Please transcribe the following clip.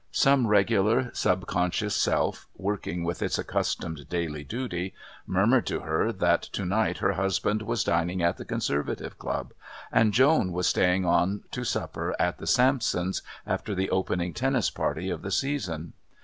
Some regular subconscious self, working with its accustomed daily duty, murmured to her that to night her husband was dining at the Conservative Club and Joan was staying on to supper at the Sampsons' after the opening tennis party of the season.